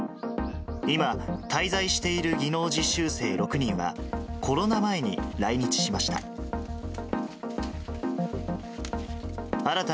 今、滞在している技能実習生６人は、コロナ前に来日しました。